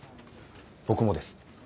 僕もです。